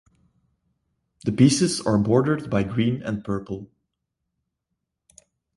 The pieces are bordered by green and purple.